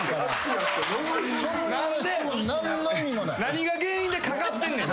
何が原因でかかってんねん。